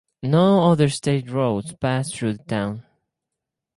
No other state roads pass through the town.